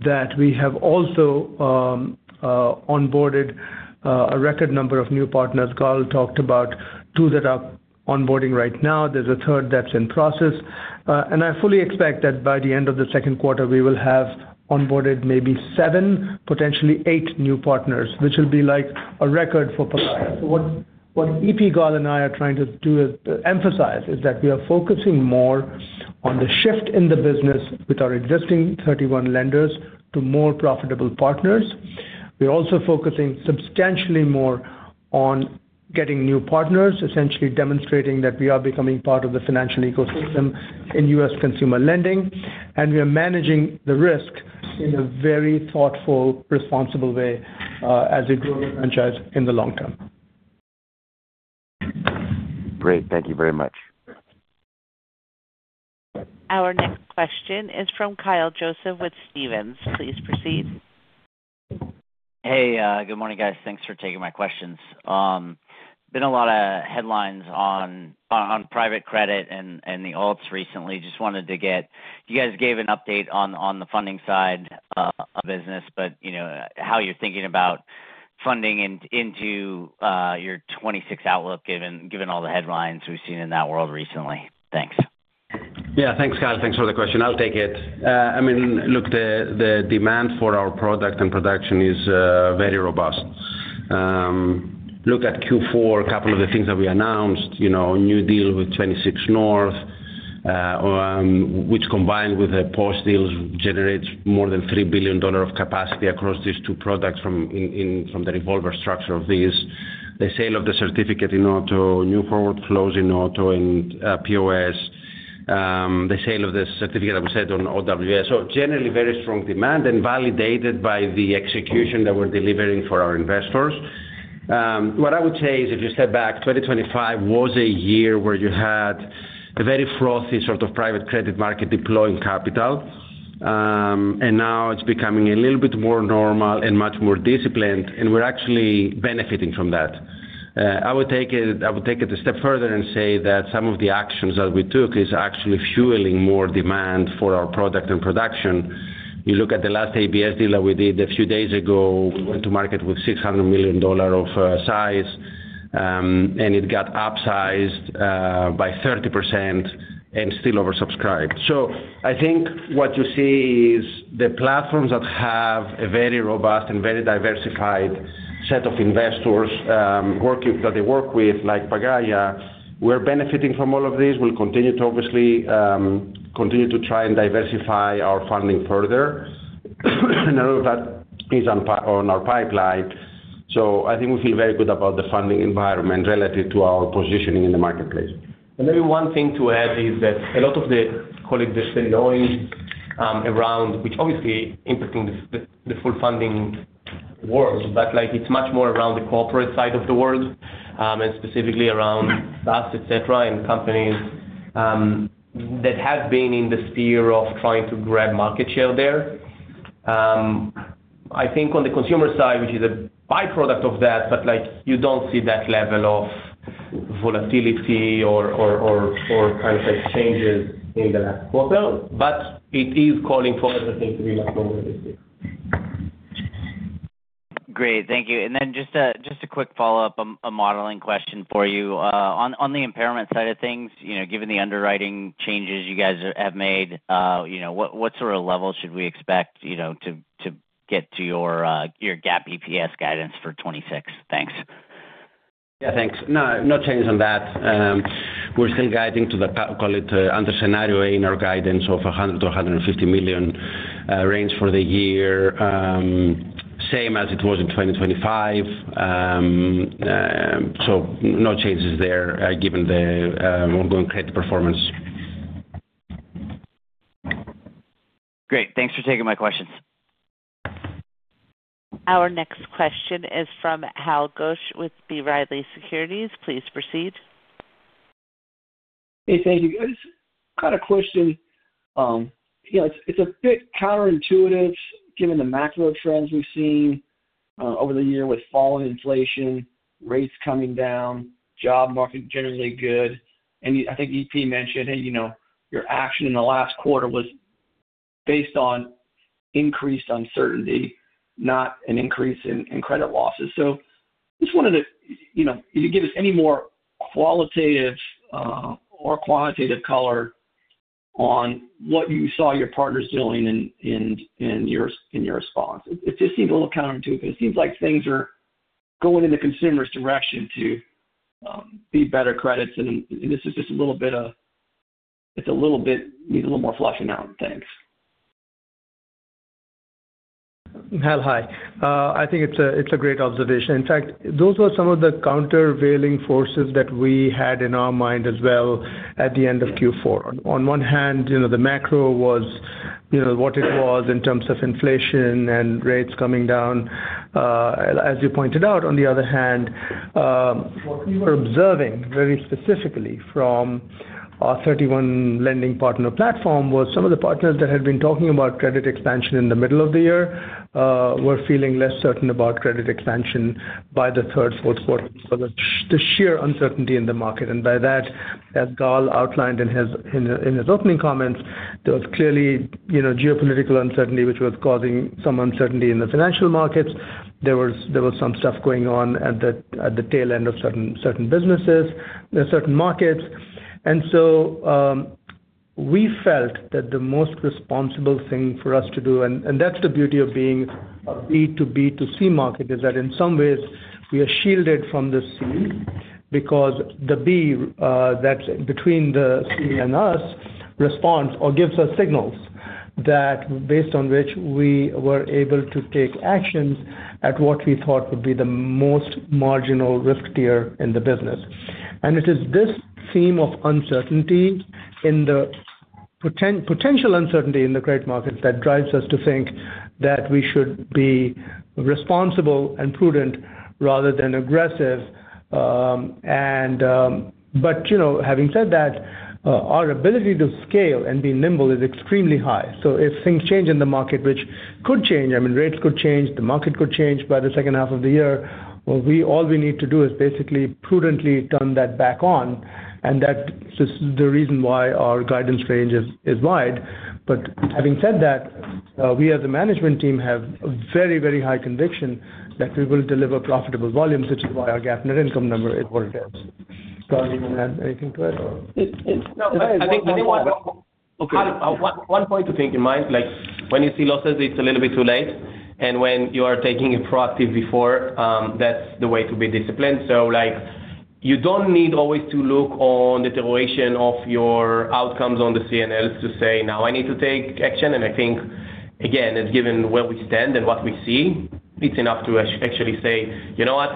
that we have also onboarded a record number of new partners. Gal talked about two that are onboarding right now. There's a third that's in process. I fully expect that by the end of the second quarter, we will have onboarded maybe 7, potentially 8 new partners, which will be like a record for Pagaya. What Evangelos, Gal, and I are trying to do is emphasize that we are focusing more on the shift in the business with our existing 31 lenders to more profitable partners. We're also focusing substantially more on getting new partners, essentially demonstrating that we are becoming part of the financial ecosystem in U.S. consumer lending. We are managing the risk in a very thoughtful, responsible way as we grow the franchise in the long term. Great. Thank you very much. Our next question is from Kyle Joseph with Stephens. Please proceed. Hey. Good morning, guys. Thanks for taking my questions. Been a lot of headlines on private credit and the alts recently. Just wanted to get you guys to give an update on the funding side of business, but how you're thinking about funding into your 2026 outlook given all the headlines we've seen in that world recently. Thanks. Yeah. Thanks, Kyle. Thanks for the question. I'll take it. I mean, look, the demand for our product and production is very robust. Look at Q4, a couple of the things that we announced, new deal with 26North, which combined with the POS deals generates more than $3 billion of capacity across these two products from the revolver structure of these, the sale of the certificate in auto, new forward flows in auto and POS, the sale of the certificate that was sold to OWS. So generally, very strong demand and validated by the execution that we're delivering for our investors. What I would say is if you step back, 2025 was a year where you had a very frothy sort of private credit market deploying capital. And now it's becoming a little bit more normal and much more disciplined. And we're actually benefiting from that. I would take it a step further and say that some of the actions that we took is actually fueling more demand for our product and production. You look at the last ABS deal that we did a few days ago, we went to market with $600 million of size, and it got upsized by 30% and still oversubscribed. So I think what you see is the platforms that have a very robust and very diversified set of investors that they work with, like Pagaya, we're benefiting from all of these. We'll continue to obviously continue to try and diversify our funding further. And a lot of that is on our pipeline. So I think we feel very good about the funding environment relative to our positioning in the marketplace. And maybe one thing to add is that a lot of the, call it, the silliness around, which obviously impacting the whole funding world, but it's much more around the corporate side of the world and specifically around M&A, etc., and companies that have been in the sphere of trying to grab market share there. I think on the consumer side, which is a byproduct of that, but you don't see that level of volatility or kind of changes in the last quarter. But it is calling for everything to be much more realistic. Great. Thank you. And then just a quick follow-up, a modeling question for you. On the impairment side of things, given the underwriting changes you guys have made, what sort of level should we expect to get to your GAAP EPS guidance for 2026? Thanks. Yeah. Thanks. No, no change on that. We're still guiding to the call it under scenario A in our guidance of $100 million-$150 million range for the year, same as it was in 2025. So no changes there given the ongoing credit performance. Great. Thanks for taking my questions. Our next question is from Hal Goetsch with B. Riley Securities. Please proceed. Hey. Thank you, guys. Kind of question. It's a bit counterintuitive given the macro trends we've seen over the year with falling inflation, rates coming down, job market generally good. I think EP mentioned, "Hey, your action in the last quarter was based on increased uncertainty, not an increase in credit losses." So just wanted to if you could give us any more qualitative or quantitative color on what you saw your partners doing in your response. It just seems a little counterintuitive. It seems like things are going in the consumer's direction to be better credits. And this is just a little bit needs a little more fleshing out. Thanks. Hal. Hi. I think it's a great observation. In fact, those were some of the countervailing forces that we had in our mind as well at the end of Q4. On one hand, the macro was what it was in terms of inflation and rates coming down, as you pointed out. On the other hand, what we were observing very specifically from our 31 lending partner platform was some of the partners that had been talking about credit expansion in the middle of the year were feeling less certain about credit expansion by the third, fourth quarter because of the sheer uncertainty in the market. By that, as Gal outlined in his opening comments, there was clearly geopolitical uncertainty, which was causing some uncertainty in the financial markets. There was some stuff going on at the tail end of certain businesses, certain markets. And so we felt that the most responsible thing for us to do, and that's the beauty of being a B2B2C market, is that in some ways, we are shielded from the C because the B that's between the C and us responds or gives us signals based on which we were able to take actions at what we thought would be the most marginal risk tier in the business. And it is this theme of uncertainty in the potential uncertainty in the credit markets that drives us to think that we should be responsible and prudent rather than aggressive. But having said that, our ability to scale and be nimble is extremely high. So if things change in the market, which could change, I mean, rates could change. The market could change by the second half of the year. Well, all we need to do is basically prudently turn that back on. And that's the reason why our guidance range is wide. But having said that, we as a management team have very, very high conviction that we will deliver profitable volumes, which is why our GAAP net income number is what it is. Gal, do you want to add anything to it? No. I think one point to take in mind. When you see losses, it's a little bit too late. And when you are taking it proactive before, that's the way to be disciplined. So you don't need always to look on deterioration of your outcomes on the CNLs to say, "Now, I need to take action." And I think, again, given where we stand and what we see, it's enough to actually say, "You know what?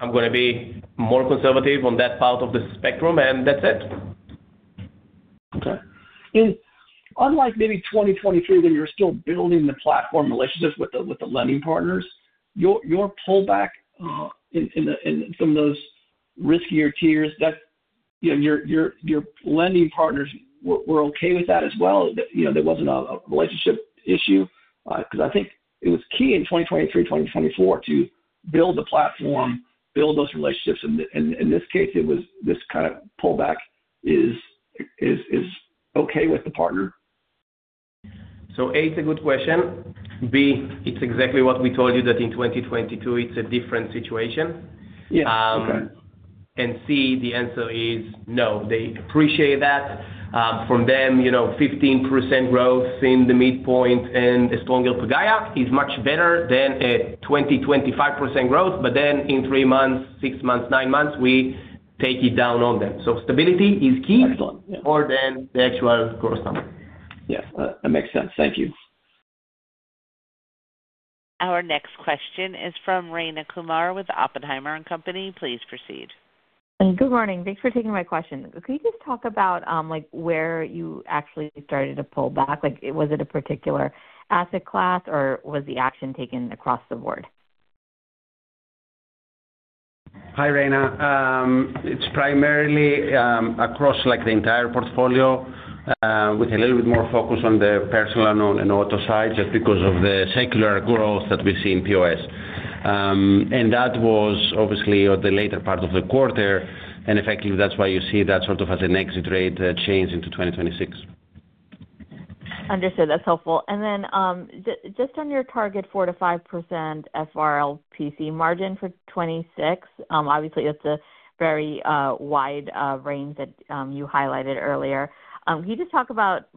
I'm going to be more conservative on that part of the spectrum." And that's it. Okay. Unlike maybe 2023 when you were still building the platform relationship with the lending partners, your pullback in some of those riskier tiers your lending partners were okay with that as well. There wasn't a relationship issue because I think it was key in 2023, 2024 to build the platform, build those relationships. And in this case, this kind of pullback is okay with the partner. So A, it's a good question. B, it's exactly what we told you that in 2022, it's a different situation. And C, the answer is no. They appreciate that. From them, 15% growth in the midpoint and a stronger Pagaya is much better than a 20%-25% growth. But then in three months, six months, nine months, we take it down on them. So stability is key more than the actual growth number. Yes. That makes sense. Thank you. Our next question is from Rayna Kumar with Oppenheimer & Co. Please proceed. Good morning. Thanks for taking my question. Could you just talk about where you actually started to pull back? Was it a particular asset class, or was the action taken across the board? Hi, Rayna. It's primarily across the entire portfolio with a little bit more focus on the personal and auto side just because of the secular growth that we see in POS. And that was obviously on the later part of the quarter. And effectively, that's why you see that sort of as an exit rate change into 2026. Understood. That's helpful. And then just on your target 4%-5% FRLPC margin for 2026, obviously, that's a very wide range that you highlighted earlier. Can you just talk about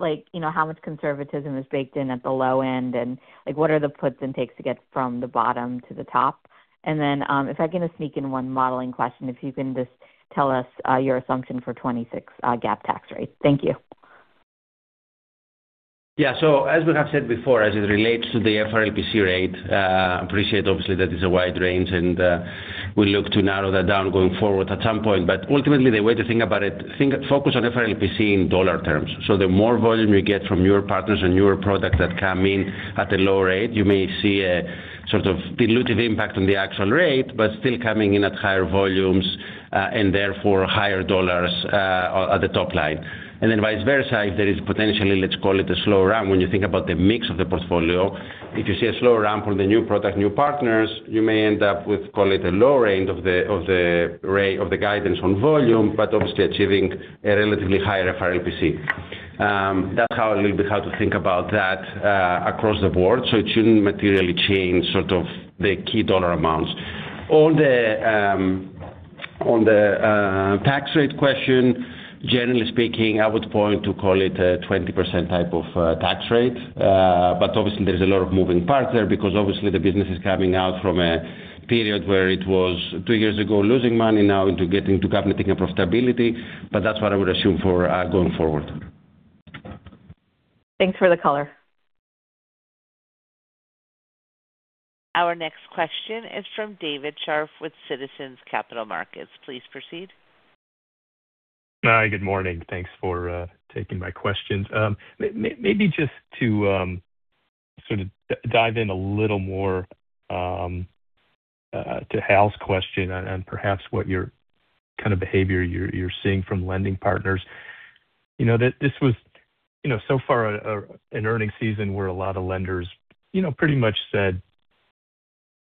how much conservatism is baked in at the low end and what are the puts and takes to get from the bottom to the top? And then if I can just sneak in one modeling question, if you can just tell us your assumption for 2026 GAAP tax rate. Thank you. Yeah. So as we have said before, as it relates to the FRLPC rate, I appreciate, obviously, that it's a wide range. And we look to narrow that down going forward at some point. But ultimately, the way to think about it, focus on FRLPC in dollar terms. So the more volume you get from your partners and your product that come in at a low rate, you may see a sort of dilutive impact on the actual rate but still coming in at higher volumes and therefore higher dollars at the top line. And then vice versa, if there is potentially, let's call it, a slow ramp when you think about the mix of the portfolio, if you see a slow ramp on the new product, new partners, you may end up with, call it, a low range of the rate of the guidance on volume but obviously achieving a relatively higher FRLPC. That's a little bit how to think about that across the board. So it shouldn't materially change sort of the key dollar amounts. On the tax rate question, generally speaking, I would point to, call it, a 20% type of tax rate. But obviously, there's a lot of moving parts there because obviously, the business is coming out from a period where it was two years ago losing money now into getting to taking up profitability. But that's what I would assume for going forward. Thanks for the color. Our next question is from David Scharf with Citizens Capital Markets. Please proceed. Hi. Good morning. Thanks for taking my questions. Maybe just to sort of dive in a little more to Hal's question and perhaps what kind of behavior you're seeing from lending partners. This was so far an earnings season where a lot of lenders pretty much said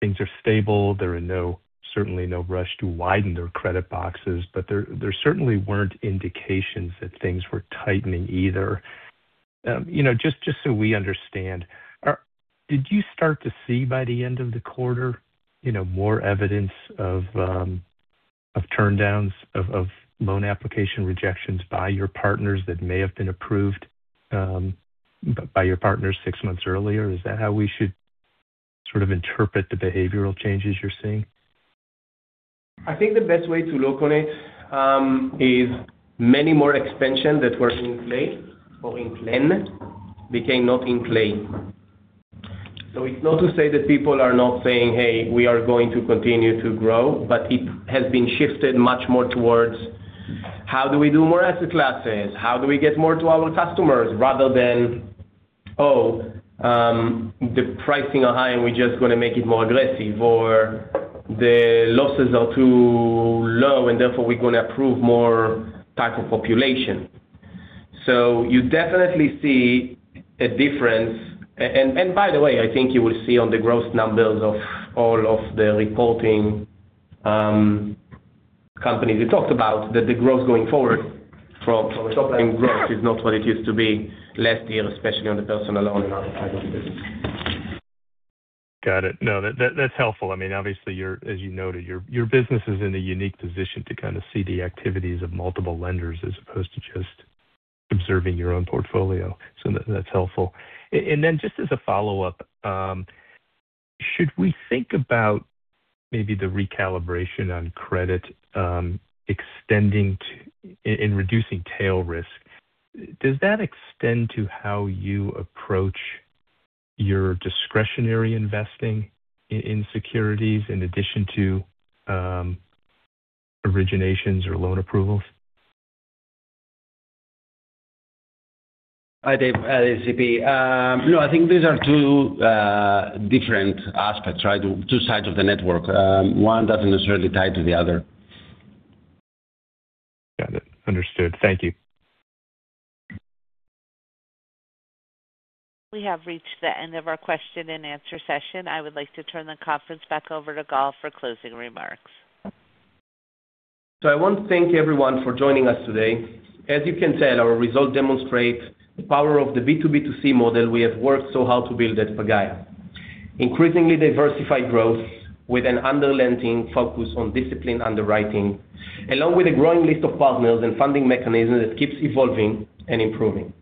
things are stable. There are certainly no rush to widen their credit boxes. But there certainly weren't indications that things were tightening either. Just so we understand, did you start to see by the end of the quarter more evidence of turndowns, of loan application rejections by your partners that may have been approved by your partners six months earlier? Is that how we should sort of interpret the behavioral changes you're seeing? I think the best way to look on it is many more expansions that were in play or in. Then became not in play. So it's not to say that people are not saying, "Hey, we are going to continue to grow." But it has been shifted much more towards, "How do we do more asset classes? How do we get more to our customers?" rather than, "Oh, the pricing are high, and we're just going to make it more aggressive." Or, "The losses are too low, and therefore, we're going to approve more type of population." So you definitely see a difference. And by the way, I think you will see on the growth numbers of all of the reporting companies we talked about that the growth going forward from the top line growth is not what it used to be last year, especially on the personal loan and other type of business. Got it. No, that's helpful. I mean, obviously, as you noted, your business is in a unique position to kind of see the activities of multiple lenders as opposed to just observing your own portfolio. So that's helpful. And then just as a follow-up, should we think about maybe the recalibration on credit in reducing tail risk? Does that extend to how you approach your discretionary investing in securities in addition to originations or loan approvals? Hi, Dave. Hi, It's Sanjiv. No, I think these are two different aspects, right, two sides of the network. One doesn't necessarily tie to the other. Got it. Understood. Thank you. We have reached the end of our question-and-answer session. I would like to turn the conference back over to Gal for closing remarks. So I want to thank everyone for joining us today. As you can tell, our results demonstrate the power of the B2B2C model we have worked so hard to build at Pagaya, increasingly diversified growth with an unrelenting focus on disciplined underwriting along with a growing list of partners and funding mechanisms that keeps evolving and improving.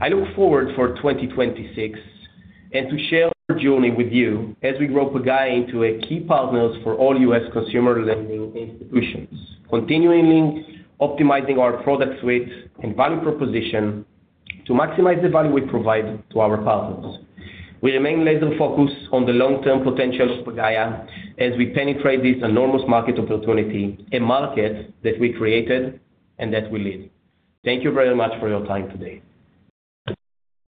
I look forward to 2026 and to share our journey with you as we grow Pagaya into key partners for all U.S. consumer lending institutions, continually optimizing our product suite and value proposition to maximize the value we provide to our partners. We remain laser-focused on the long-term potential of Pagaya as we penetrate this enormous market opportunity, a market that we created and that we lead. Thank you very much for your time today.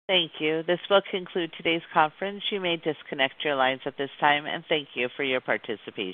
Thank you. This will conclude today's conference. You may disconnect your lines at this time. Thank you for your participation.